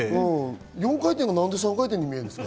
４回転が何で３回転に見えるんですか？